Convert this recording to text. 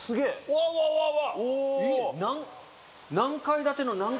うわうわうわうわ。